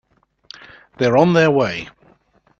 They're on their way.